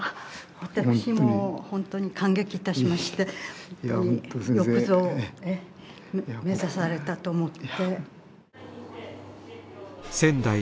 私も本当に感激致しまして本当によくぞ目指されたと思って。